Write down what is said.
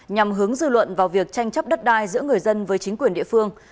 nhằm hướng dư luận vào việc tranh chấp đất đai giữa người dân với chính quyền địa phương